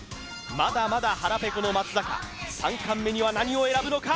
まだまだ腹ペコの松坂３貫目には何を選ぶのか？